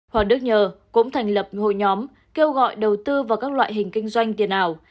hoàng đức nhờ cũng thành lập hội nhóm kêu gọi đầu tư vào các loại hình kinh doanh tiền ảo